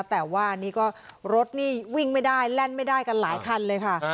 แต่ว่านี่ก็รถนี่วิ่งไม่ได้แล่นไม่ได้กันหลายคันเลยค่ะ